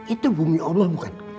itu bumi allah bukan